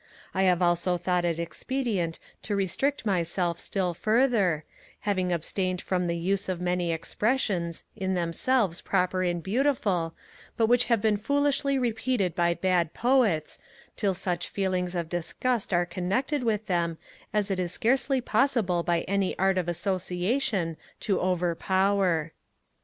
I have also thought it expedient to restrict myself still further, having abstained from the use of many expressions, in themselves proper and beautiful, but which have been foolishly repeated by bad Poets, till such feelings of disgust are connected with them as it is scarcely possible by any art of association to overpower.